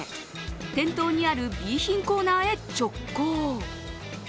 店頭にあるＢ品コーナーへ直行。